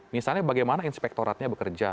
misalnya bagaimana inspektoratnya bekerja